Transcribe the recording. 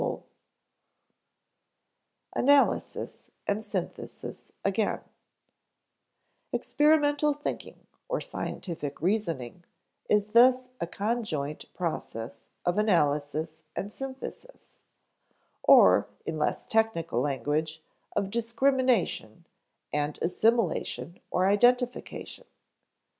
[Sidenote: Analysis and synthesis again] Experimental thinking, or scientific reasoning, is thus a conjoint process of analysis and synthesis, or, in less technical language, of discrimination and assimilation or identification.